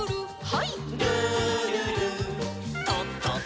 はい。